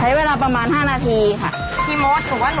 ใช้เวลาประมาณ๕นาทีค่ะ